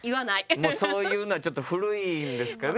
もうそういうのはちょっと古いんですかね。